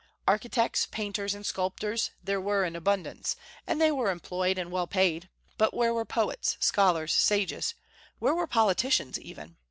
Architects, painters, and sculptors there were in abundance, and they were employed and well paid; but where were poets, scholars, sages? where were politicians even?